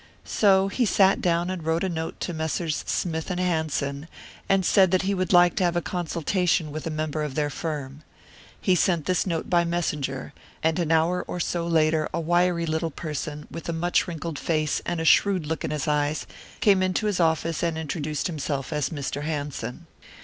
So he sat down and wrote a note to Messrs. Smith and Hanson, and said that he would like to have a consultation with a member of their firm. He sent this note by messenger, and an hour or so later a wiry little person, with a much wrinkled face and a shrewd look in his eyes, came into his office and introduced himself as Mr. Hanson.